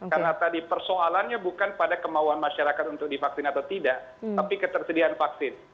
karena tadi persoalannya bukan pada kemauan masyarakat untuk divaksin atau tidak tapi ketersediaan vaksin